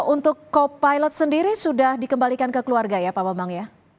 untuk co pilot sendiri sudah dikembalikan ke keluarga ya pak bambang ya